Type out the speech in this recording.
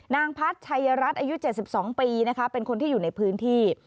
นางพัฒน์ชัยรัฐอายุ๗๒ปีนะคะเป็นคนที่อยู่ในพื้นที่